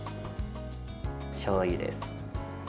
しょうゆです。